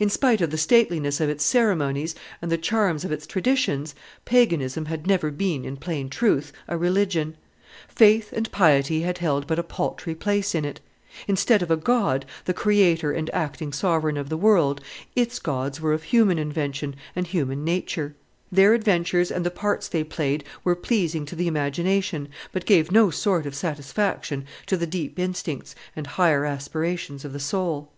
In spite of the stateliness of its ceremonies and the charm of its traditions, paganism had never been, in plain truth, a religion; faith and piety had held but a paltry place in it; instead of a God, the creator and acting sovereign of the world, its gods were of human invention and human nature: their adventures and the parts they played were pleasing to the imagination, but gave no sort of satisfaction to the deep instincts and higher aspirations of the soul.